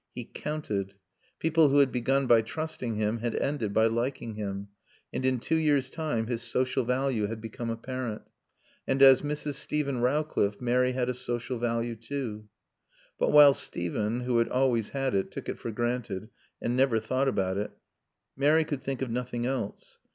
He counted. People who had begun by trusting him had ended by liking him, and in two years' time his social value had become apparent. And as Mrs. Steven Rowcliffe Mary had a social value too. But while Steven, who had always had it, took it for granted and never thought about it, Mary could think of nothing else.